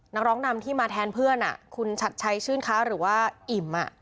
นักร้องนำที่มาแทนเพื่อนคุณชัดชัยชื่นค้าหรือว่าอิ่ม